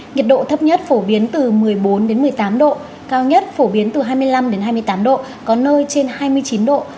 nhiệt độ thấp nhất phổ biến từ một mươi bốn một mươi tám độ cao nhất phổ biến từ hai mươi năm hai mươi tám độ có nơi trên hai mươi chín độ